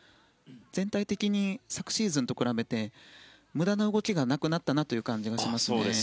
全体的に昨シーズンと比べて無駄な動きがなくなったなという感じがします。